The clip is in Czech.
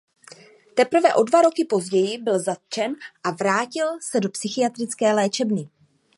Teprve o dva roky později byl zatčen a vrátil se do psychiatrické léčebny.